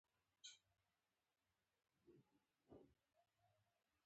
لومړنی سړی چې بغاوت یې وکړ سید محمود کنړی وو.